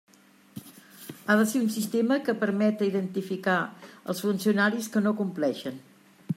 Ha de ser un sistema que permeta identificar els funcionaris que no compleixen.